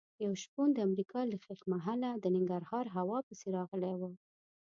یو شپون د امریکا له ښیښ محله د ننګرهار هوا پسې راغلی و.